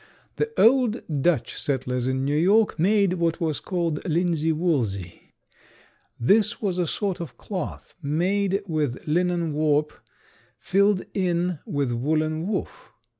The old Dutch settlers in New York made what was called linsey woolsey. This was a sort of cloth made with linen warp filled in with woolen woof.